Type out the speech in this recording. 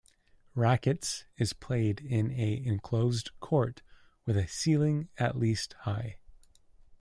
Rackets is played in a enclosed court, with a ceiling at least high.